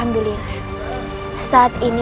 kamu harus sebutkan keputusan gue